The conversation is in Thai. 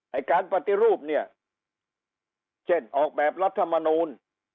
ไอ้การปฏิรูปเนี่ยเช่นออกแบบรัฐมนูล